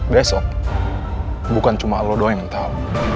besok bukan cuma lo doang yang tau